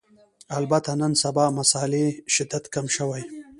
البته نن سبا مسألې شدت کم شوی